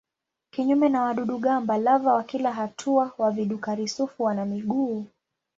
Kinyume na wadudu-gamba lava wa kila hatua wa vidukari-sufu wana miguu.